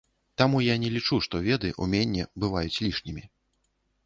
Таму я не лічу, што веды, уменне бываюць лішнімі.